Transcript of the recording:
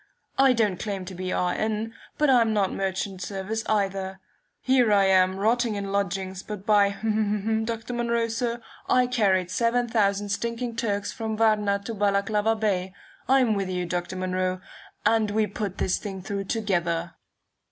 I don't claim to be R. N., but I'm not merchant service either. Here I am, rotting in lodgings, but by , Dr. Munro, sir, I carried seven thousand stinking Turks from Varna to Balaclava Bay. I'm with you, Dr. Munro, and we put this thing through together."